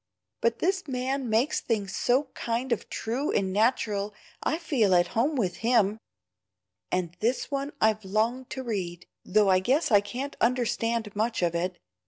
But this man makes things so kind of true and natural I feel at home with HIM. And this one I've longed to read, though I guess I can't understand much of it.